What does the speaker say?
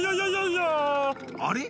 あれ？